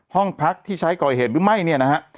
ห้องพักที่ใช้ก่อเหตุหรือไม่เนี่ยนะฮะ